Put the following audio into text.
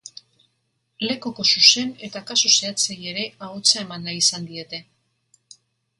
Lekuko zuzen eta kasu zehatzei ere ahotsa eman nahi izan diete.